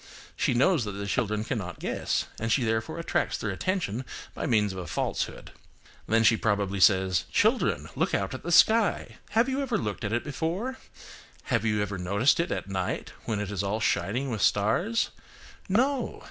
She knows that the children cannot guess, and she therefore attracts their attention by means of a falsehood. Then she probably says,–"Children, look out at the sky. Have you ever looked at it before? Have you never noticed it at night when it is all shining with stars? No!